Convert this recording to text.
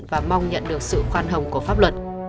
và mong nhận được sự khoan hồng của pháp luật